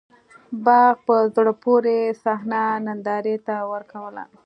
باغ په زړه پورې صحنه نندارې ته ورکوّله.